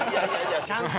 ちゃんと。